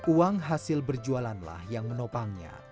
uang hasil berjualanlah yang menopangnya